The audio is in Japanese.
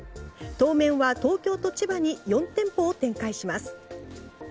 当面は東京と千葉に４店舗を展開します。